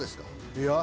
いや。